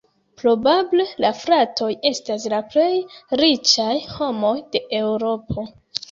Probable la fratoj estas la plej riĉaj homoj de Eŭropo.